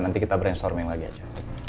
nanti kita brainstorming lagi aja